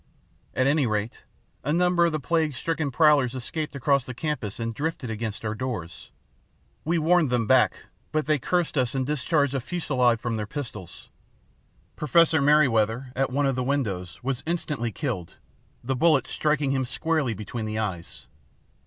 At any rate, a number of the plague stricken prowlers escaped across the campus and drifted against our doors. We warned them back, but they cursed us and discharged a fusillade from their pistols. Professor Merryweather, at one of the windows, was instantly killed, the bullet striking him squarely between the eyes.